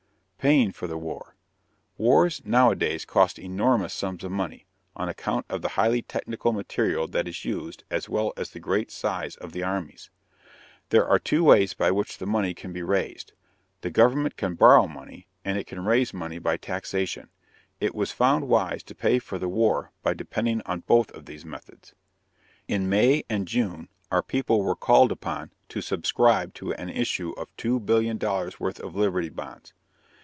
PAYING FOR THE WAR. Wars nowadays cost enormous sums of money, on account of the highly technical material that is used as well as the great size of the armies. There are two ways by which the money can be raised. The government can borrow money, and it can raise money by taxation. It was found wise to pay for the war by depending on both of these methods. In May and June our people were called upon to subscribe to an issue of two billion dollars' worth of Liberty bonds.